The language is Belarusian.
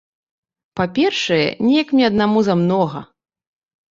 Па-першае, неяк мне аднаму замнога.